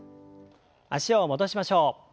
脚を戻しましょう。